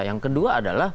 yang kedua adalah